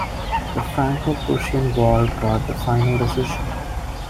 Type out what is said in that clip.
The Franco-Prussian War brought the final decision.